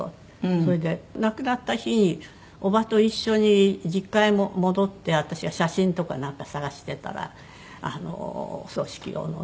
それで亡くなった日におばと一緒に実家へ戻って私が写真とかなんか探してたらあの葬式用のね。